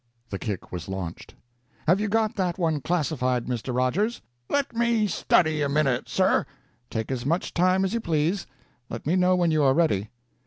The kick was launched. "Have you got that one classified, Mr. Rogers?" "Let me study a minute, sir." "Take as much time as you please. Let me know when you are ready."